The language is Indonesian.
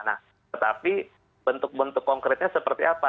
nah tetapi bentuk bentuk konkretnya seperti apa